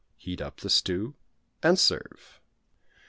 Heat up the stew and serve.